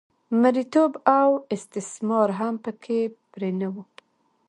مریتوب او استثمار هم په کې پرېنه و.